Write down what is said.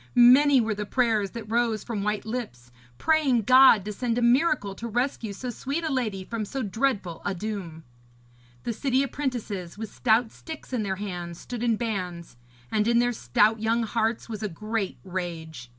Many were the prayers that rose from white lips, praying God to send a miracle to rescue so sweet a lady from so dreadful a doom. The city apprentices, with stout sticks in their hands, stood in bands, and in their stout young hearts was a great rage.